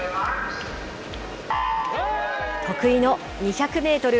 得意の２００メートル